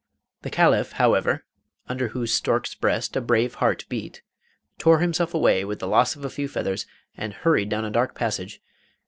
The Caliph, however, under whose stork's breast a brave heart beat, tore himself away with the loss of a few feathers, and hurried down a dark passage.